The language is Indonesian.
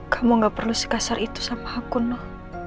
kamu gak perlu sekasar itu sama aku noh